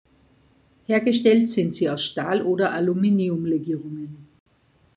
Hergestellt sind sie aus Stahl oder Aluminiumlegierungen.